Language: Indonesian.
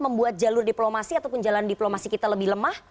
membuat jalur diplomasi ataupun jalan diplomasi kita lebih lemah